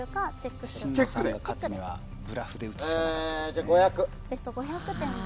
じゃあ５００。